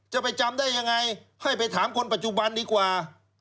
จะไปจำได้ยังไงให้ไปถามคนปัจจุบันดีกว่า